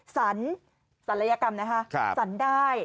สันสันระยะกรรมนะคะสันได้